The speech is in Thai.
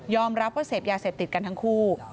รับว่าเสพยาเสพติดกันทั้งคู่